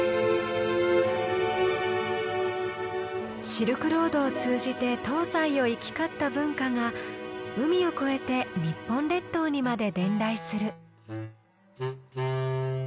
シルクロードを通じて東西を行き交った文化が海を越えて日本列島にまで伝来する。